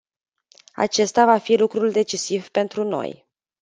Acesta va fi lucrul decisiv pentru noi.